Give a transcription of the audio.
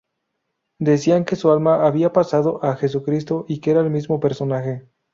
Decían que su alma había pasado a Jesucristo y que era el mismo personaje.